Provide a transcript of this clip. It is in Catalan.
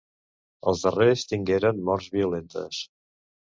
Els darrers tingueren morts violentes.